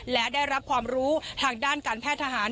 และได้รับความรู้ทางด้านการแพทย์ทหาร